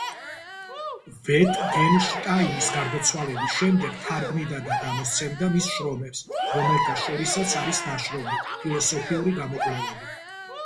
ვიტგენშტაინის გარდაცვალების შემდეგ თარგმნიდა და გამოსცემდა მის შრომებს, რომელთა შორისაც არის ნაშრომი „ფილოსოფიური გამოკვლევები“.